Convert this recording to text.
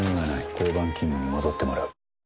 交番勤務に戻ってもらう。